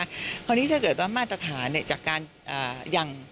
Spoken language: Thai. คราวนี้ถ้าเกิดว่ามาตรฐานจากการอย่าง